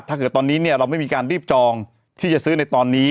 ถ้าเกิดตอนนี้เนี่ยเราไม่มีการรีบจองที่จะซื้อในตอนนี้